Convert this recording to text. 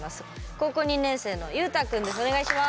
高校２年生のゆうたくんです。